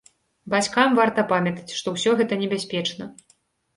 Бацькам варта памятаць, што ўсё гэта небяспечна.